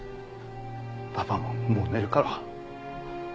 パパももう寝るから。